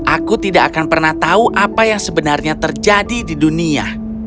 aku tidak akan pernah tahu apa yang sebenarnya terjadi di dunia